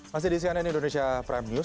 masih di cnn indonesia prime news